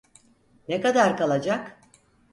Ne kadar kalacak?